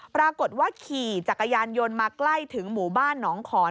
ปรากฏว่าขี่จักรยานยนต์มาใกล้ถึงหมู่บ้านหนองขอน